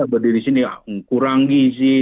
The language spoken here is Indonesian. berdiri di sini kurang gizi